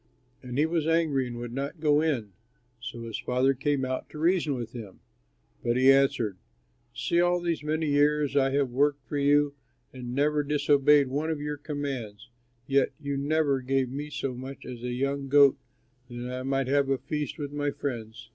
And he was angry and would not go in so his father came out to reason with him, but he answered, 'See all these many years I have worked for you and never disobeyed one of your commands, yet you never gave me so much as a young goat that I might have a feast with my friends.